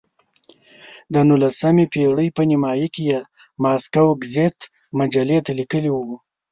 د نولسمې پېړۍ په نیمایي کې یې ماسکو ګزیت مجلې ته لیکلي وو.